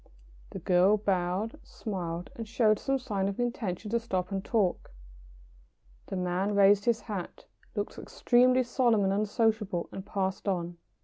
] The girl bowed, smiled, and showed some sign of an intention to stop and talk. The man raised his hat, looked extremely solemn and unsociable, and passed on.